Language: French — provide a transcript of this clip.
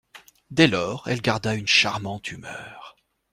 Dès lors elle garda une charmante humeur.